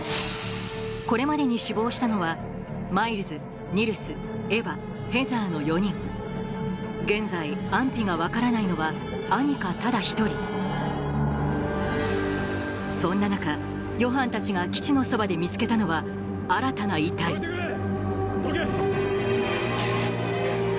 これまでに死亡したのはマイルズニルスエバヘザーの４人現在安否が分からないのはアニカただ１人そんな中ヨハンたちが基地のそばで見つけたのはどけ！